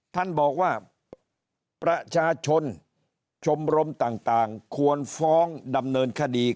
ท่านบอกว่าประชาชนชมรมต่างควรฟ้องดำเนินคดี